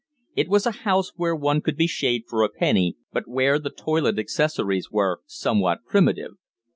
It was a house where one could be shaved for a penny, but where the toilet accessories were somewhat primitive.